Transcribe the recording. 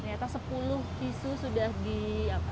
alhamdulillah tidak nyangka